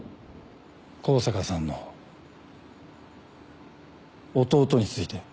香坂さんの弟について。